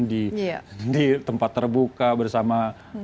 di tempat terbuka bersama